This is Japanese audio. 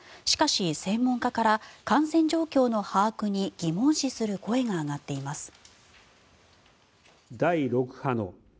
しかし、専門家から感染状況の把握に疑問視する声が上がっています。